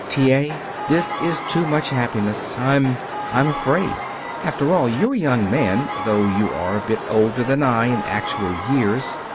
"T. A., this is too much happiness. I'm I'm afraid. After all, you're a young man, though you are a bit older than I in actual years.